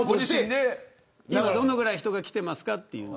どのぐらい人が来てますかという。